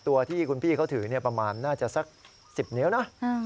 ตัวที่คุณพี่เขาถือประมาณน่าจะสัก๑๐นิ้วนะ